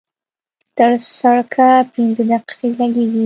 تر سړکه پينځه دقيقې لګېږي.